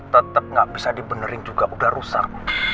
tetep nggak bisa dibenerin juga udah rusak